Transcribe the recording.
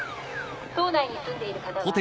島内に住んでいる方は。